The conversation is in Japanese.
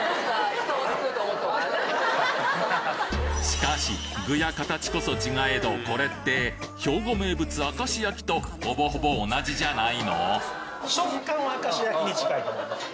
しかし具や形こそ違えどこれって兵庫名物明石焼とほぼほぼ同じじゃないの？